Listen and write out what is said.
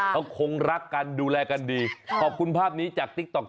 จ้ะค่ะค่ะคงรักกันดูแลกันดีขอบคุณภาพนี้จากติ๊กต๊อก